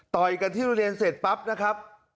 ต่อยกันที่โรงเรียนเสร็จปั๊บนะครับ